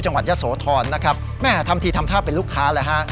จังหวัดยะโสธรนะครับแม่ทำทีทำท่าเป็นลูกค้าเลยฮะ